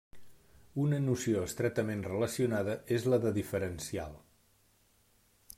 Una noció estretament relacionada és la de diferencial.